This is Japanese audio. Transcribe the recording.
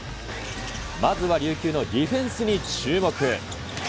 まずは琉球のディフェンスに注目。